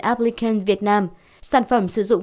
applicant việt nam sản phẩm sử dụng